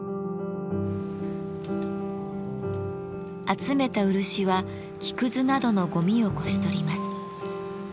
集めた漆は木くずなどのゴミをこし取ります。